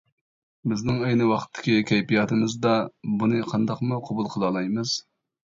بىزنىڭ ئەينى ۋاقىتتىكى كەيپىياتىمىزدا بۇنى قانداقمۇ قوبۇل قىلالايمىز.